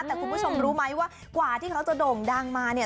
แต่คุณผู้ชมรู้ไหมว่ากว่าที่เขาจะโด่งดังมาเนี่ย